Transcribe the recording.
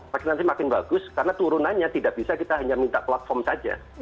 vaksinasi makin bagus karena turunannya tidak bisa kita hanya minta platform saja